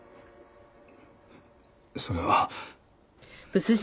それは。